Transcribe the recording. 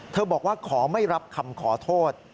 บอกว่าขอไม่รับคำขอโทษ